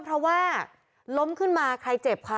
เพราะว่าล้มขึ้นมาใครเจ็บค่ะ